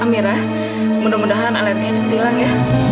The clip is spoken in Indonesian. amira mudah mudahan alerginya cepet hilang ya